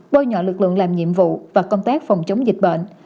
bôi nhọ lực lượng làm nhiệm vụ và công tác phòng chống dịch bệnh